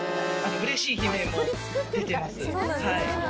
うれしい悲鳴も出てます。